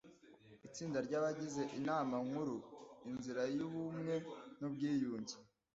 itsinda ry abagize inama nkuru inzira y ubumwe n ubwiyunge